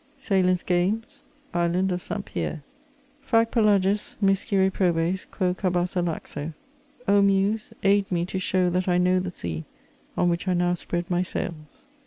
sailors' games— ISLiLND OF SAINT FIERBE. " Fac pelagus me scire probes, quo carbasa laxo." —" O Muse, aid me to show that I know the sea on which 1 now spread my sails.''